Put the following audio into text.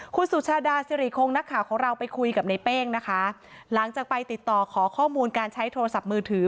คุณสุชาดาสิริคงนักข่าวของเราไปคุยกับในเป้งนะคะหลังจากไปติดต่อขอข้อมูลการใช้โทรศัพท์มือถือ